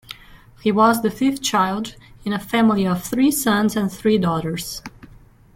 He was the fifth child, in a family of three sons and three daughters.